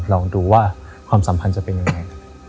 ลองดูว่าความสัมพันธ์จะเป็นยังไง